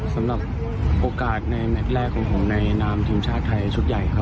สำหรับโอกาสในแมทแรกของผมในนามทีมชาติไทยชุดใหญ่ครับ